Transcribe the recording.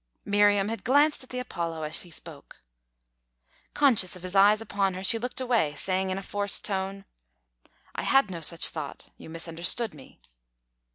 Miriam had glanced at the Apollo as he spoke. Conscious of his eyes upon her, she looked away, saying in a forced tone: "I had no such thought. You misunderstood me."